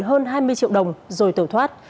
hơn hai mươi triệu đồng rồi tẩu thoát